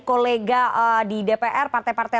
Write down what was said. kolega di dpr partai partai